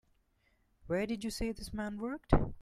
Where did you say this man worked?